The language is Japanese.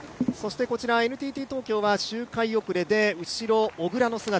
ＮＴＴ東京は周回遅れで小椋の姿。